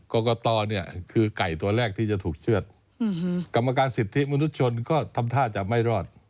กรกตเนี่ยคือไก่ตัวแรกที่จะถูกเชื่อดกรรมการสิทธิมนุษยชนก็ทำท่าจะไม่รอด